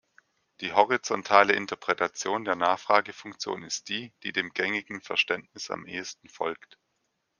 Die horizontale Interpretation der Nachfragefunktion ist die, die dem gängigen Verständnis am ehesten folgt.